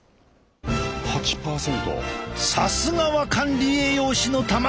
さすがは管理栄養士の卵たち！